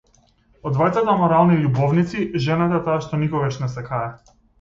Од двајцата аморални љубовници, жената е таа што никогаш не се кае.